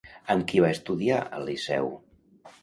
Amb qui va estudiar al Liceu?